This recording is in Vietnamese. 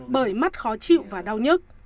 bởi mắt khó chịu và đau nhất